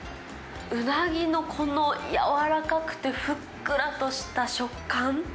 うなぎのこのやわらかくてふっくらとした食感。